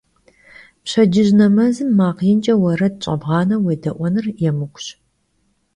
Pşedcıj nemezım makh yinç'e vuered ş'ebğaneu vuêde'uenır yêmık'uş.